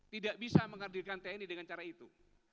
tidak bisa menghadirkan tni dengan cara itu